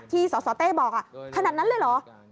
สสเต้บอกขนาดนั้นเลยเหรอ